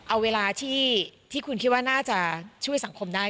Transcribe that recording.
เอาเวลาที่คุณคิดว่าน่าจะช่วยสังคมได้